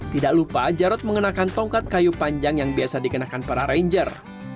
tidak lupa jarod mengenakan tongkat kayu panjang yang biasa dikenakan para ranger